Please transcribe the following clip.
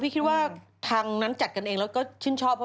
พี่คิดว่าทางนั้นจัดกันเองแล้วก็ชื่นชอบ